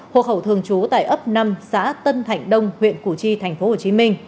hộ khẩu thường trú tại ấp năm xã tân thạnh đông huyện củ chi tp hcm